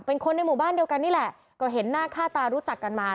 เป็นคนในหมู่บ้านเดียวกันนี่แหละก็เห็นหน้าค่าตารู้จักกันมา